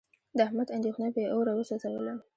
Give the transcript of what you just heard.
د احمد اندېښنو بې اوره و سوزولم.